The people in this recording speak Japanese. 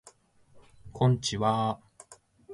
こんちはー